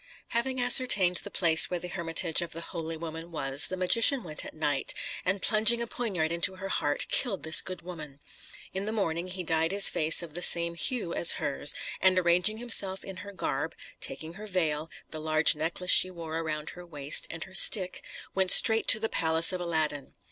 Having ascertained the place where the hermitage of the holy woman was, the magician went at night, and, plunging a poniard into her heart killed this good woman. In the morning he dyed his face of the same hue as hers, and arraying himself in her garb, taking her veil, the large necklace she wore round her waist, and her stick, went straight to the palace of Aladdin.